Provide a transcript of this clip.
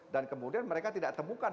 dan kemudian mereka tidak temukan